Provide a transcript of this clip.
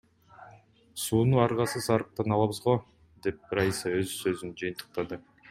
Сууну аргасыз арыктан алабыз го, — деп Раиса өз сөзүн жыйынтыктады.